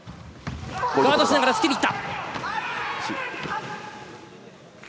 ガードしながら突きに行った。